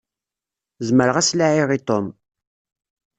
Zemreɣ ad s-laɛiɣ i Tom.